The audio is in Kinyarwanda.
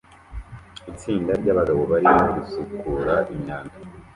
Itsinda ryabagabo barimo gusukura imyanda